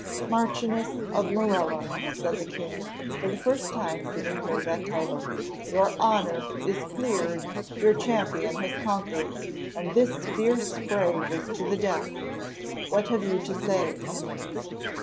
"Marchioness of Morella," said the king, for the first time giving her that title, "your honour is cleared, your champion has conquered, and this fierce fray was to the death. What have you to say?"